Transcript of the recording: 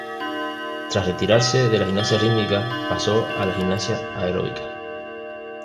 Tras retirarse de la gimnasia rítmica, pasó a la gimnasia aeróbica.